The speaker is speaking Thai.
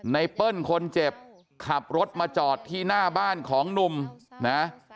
เปิ้ลคนเจ็บขับรถมาจอดที่หน้าบ้านของหนุ่มนะ